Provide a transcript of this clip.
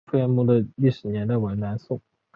吴福源墓的历史年代为南宋。